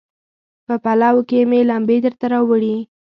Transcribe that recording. په پلو کې مې لمبې درته راوړي